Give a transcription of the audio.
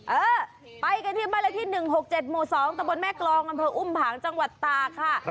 เออไปกันที่มาละที่๑๖๗โม๒ตะบนแม่กรองออุ่มผังจังหวัดตาค่ะ